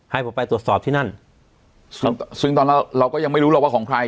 ให้ผมไปตรวจสอบที่นั่นซึ่งตอนนั้นเราก็ยังไม่รู้หรอกว่าของใคร